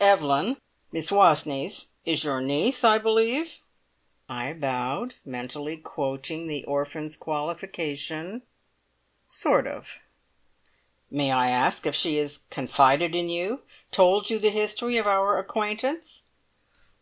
"Evelyn Miss Wastneys is your niece, I believe?" I bowed, mentally quoting the orphan's qualification: "Sort of!" "May I ask if she has confided in you told you the history of our acquaintance?"